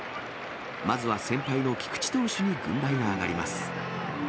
まずは先輩の菊池投手に軍配が上がります。